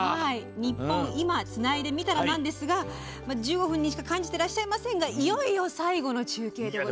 「ニッポン『今』つないでみたら」なんですが１５分にしか感じていらっしゃいませんがいよいよ最後の中継です。